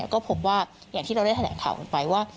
ก็พบว่าอย่างที่เราได้แถลงข่าวกันไปว่า